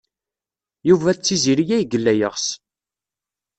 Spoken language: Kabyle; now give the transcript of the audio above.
Yuba d Tiziri ay yella yeɣs.